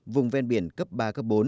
vùng ven biển cấp ba cấp bốn